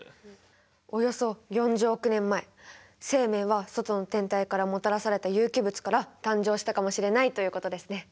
およそ４０億年前生命は外の天体からもたらされた有機物から誕生したかもしれないということですね。